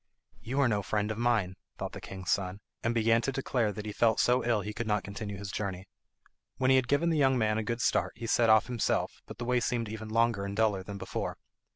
"You are no friend of mine," thought the king's son, and began to declare he felt so ill he could not continue his journey. When he had given the young man a good start he set off himself, but the way seemed even longer and duller than before.